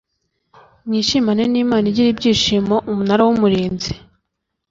mwishimane n imana igira ibyishimo umunara w umurinzi